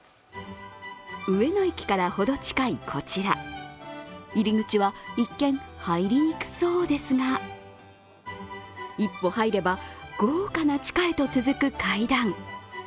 上野駅から程近いこちら、入り口は一見、入りにくそうですが一歩入れば、豪華な地下へと続く階段。